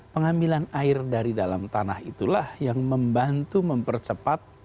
pengambilan air dari dalam tanah itulah yang membantu mempercepat